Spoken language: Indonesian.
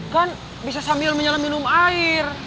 kan bisa sambil menyala minum air